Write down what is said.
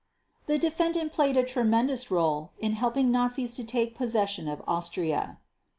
The defendant played a tremendous role in helping Nazis to take possession of Austria.